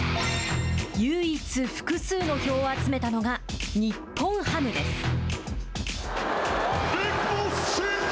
唯一、複数の票を集めたのが日本ハムです。